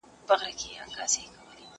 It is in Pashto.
هر مېړه یې تر برېتو په وینو سور دی